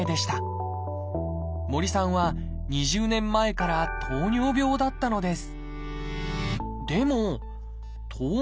森さんは２０年前から糖尿病だったのです。